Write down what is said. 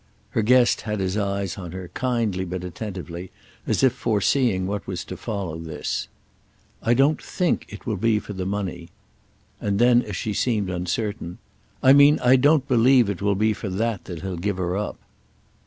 Her guest had his eyes on her, kindly but attentively, as if foreseeing what was to follow this. "I don't think it will be for the money." And then as she seemed uncertain: "I mean I don't believe it will be for that he'll give her up."